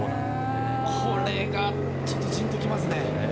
これがちょっとじーんときますね。